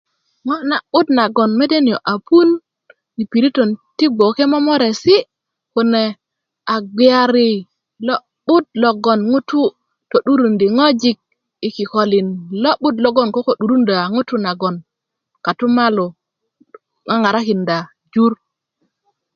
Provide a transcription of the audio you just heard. ŋo' na'but naŋ mede niyo' a puun yi piritön ti gboke momoresi' kune a gbiyari lo'but loŋ ŋutu' to'durundi ŋojik ui kikolin lo'but logoŋ koko 'durundö a ŋutuu nahoŋ kotumalu ŋaŋarakinda jur